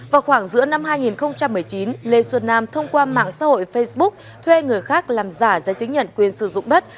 vào khoảng giữa năm hai nghìn một mươi chín lê xuân nam thông qua mạng xã hội facebook thuê người khác làm giả giấy chứng nhận quyền sử dụng đất